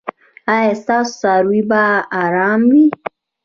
ایا ستاسو څاروي به ارام وي؟